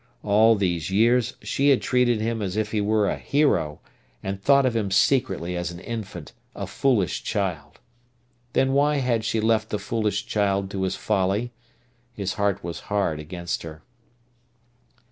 All these years she had treated him as if he were a hero, and thought of him secretly as an infant, a foolish child. Then why had she left the foolish child to his folly? His heart was hard against her.